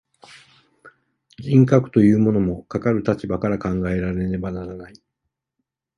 人格というものも、かかる立場から考えられねばならない。